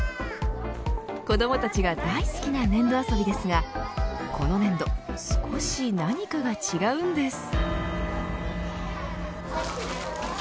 子どもたちが大好きな粘土遊びですがこの粘土少し何かが違うんです。